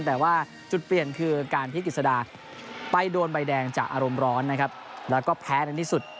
แต่ว่าจุดเปลี่ยนคือการที่กิจสดาไปโดนใบแดงจากอารมณ์ร้อนนะครับแล้วก็แพ้ในที่สุด